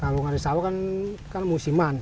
kalau ngari sawah kan musiman